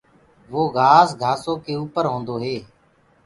وو گھآس گھآسو ڪي اُپر هوندو هي۔